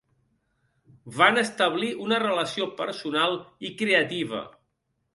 Van establir una relació personal i creativa.